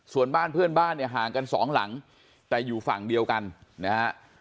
ส่วนบ้านเพื่อนบ้านเนี่ยห่างกันสองหลังแต่อยู่ฝั่งเดียวกันนะฮะ